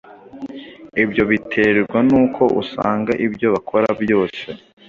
Ibyo biterwa n’uko usanga ibyo bakora byose